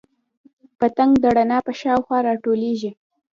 پتنګ د رڼا په شاوخوا راټولیږي